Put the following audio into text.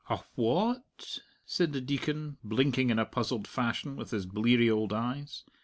"A wha at?" said the Deacon, blinking in a puzzled fashion with his bleary old eyes.